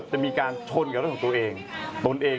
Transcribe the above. ไม่ใช่เกี่ยวกับพ่อกับแม่พ่อกับแม่ต่อแล้ว